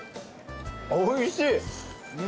おいしい！